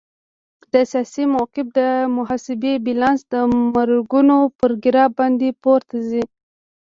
د سیاسي موقف د محاسبې بیلانس د مرګونو پر ګراف باندې پورته ځي.